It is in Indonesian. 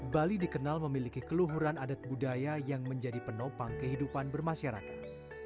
bali dikenal memiliki keluhuran adat budaya yang menjadi penopang kehidupan bermasyarakat